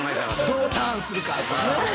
どうターンするかとかね。